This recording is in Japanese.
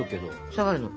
下がるの。